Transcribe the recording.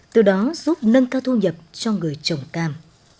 từ đó giúp nâng cao thu nhập cho người trồng cam